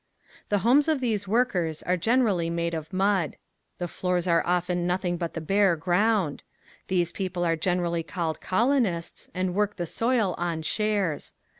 The homes of these workers are generally made of mud. The floors are often nothing but the bare ground. These people are generally called colonists and work the soil on shares.